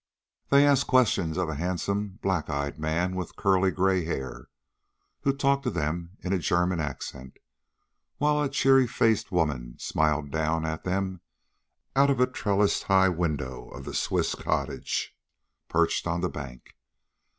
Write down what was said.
They asked questions of a handsome, black eyed man with curly gray hair, who talked to them in a German accent, while a cheery faced woman smiled down at them out of a trellised high window of the Swiss cottage perched on the bank.